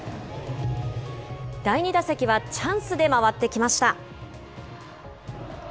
第２打席はチャンスで回ってきました。